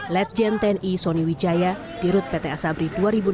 ledjen tni soni wijaya dirut pt asabri dua ribu enam belas dua ribu dua puluh